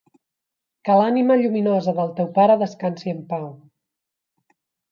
Que l´ànima lluminosa del teu pare descansi en pau.